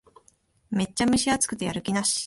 めっちゃ蒸し暑くてやる気なし